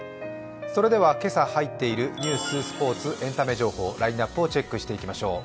それでは今朝入っているニュース、スポーツ、エンタメ情報、ラインナップをチェックしていきましょう。